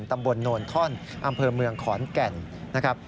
ตำบลโนนท่อนอำเภอเมืองขอนแก่นนะครับ